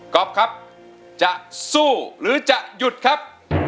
ครับจะสู้หรือจะหยุดครับ